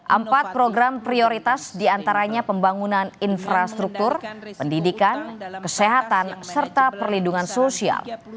empat program prioritas diantaranya pembangunan infrastruktur pendidikan kesehatan serta perlindungan sosial